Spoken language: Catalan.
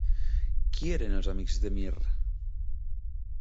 Qui eren els amics de Mir?